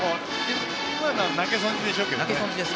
今のは投げ損じでしょうけど。